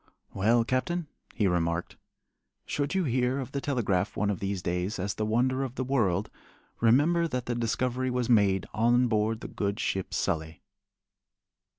"Well, Captain," he remarked, "should you hear of the telegraph one of these days as the wonder of the world, remember that the discovery was made on board the good ship Sully."